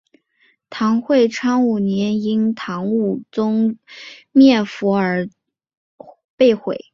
唐会昌五年因唐武宗灭佛而被毁。